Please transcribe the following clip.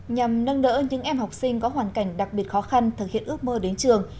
nhằm nâng đỡ những em học sinh có hoàn cảnh đặc biệt khó khăn thực hiện ước mơ đến trường